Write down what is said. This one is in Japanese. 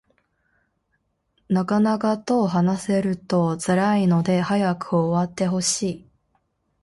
長々と話されると辛いので早く終わってほしい